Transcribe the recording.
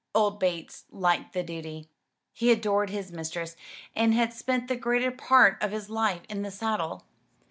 Old Bates liked the duty. He adored his mistress, and had spent the greater part of his life in the saddle.